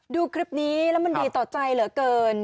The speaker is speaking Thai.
ดูคลิปนี้แล้วมันดีต่อใจเหลือเกิน